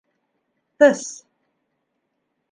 Тыс!